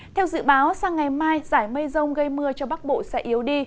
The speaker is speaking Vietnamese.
theo dự báo sang ngày mai giải mây rông gây mưa cho bắc bộ sẽ yếu đi